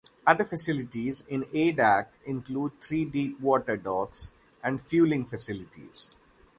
Other facilities in Adak include three deep water docks and fueling facilities.